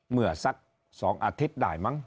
เมื่อสัก๒อาทิตย์ได้มั้ง